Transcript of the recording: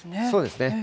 そうですね。